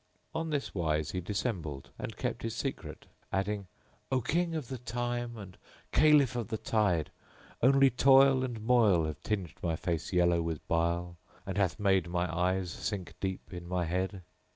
On this wise he dissembled and kept his secret, adding, "O King of the time and Caliph of the tide, only toil and moil have tinged my face yellow with bile and hath made my eyes sink deep in my head."